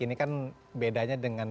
ini kan bedanya dengan